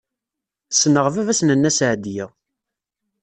Ssneɣ baba-s n Nna Seɛdiya.